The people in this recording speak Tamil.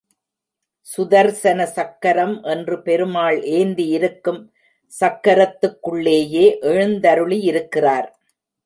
சுதர்சன சக்கரம் என்று பெருமாள் ஏந்தியிருக்கும் சக்கரத்துக்குள்ளேயே எழுந்தருளி யிருக்கிறார்.